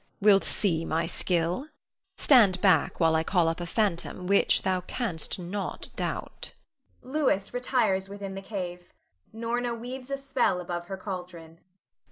Wilt see my skill. Stand back while I call up a phantom which thou canst not doubt. [Louis retires within the cave. Norna weaves a spell above her caldron. Norna.